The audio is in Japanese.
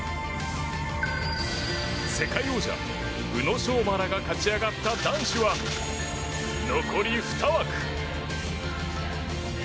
世界王者・宇野昌磨らが勝ち上がった男子は残り２枠。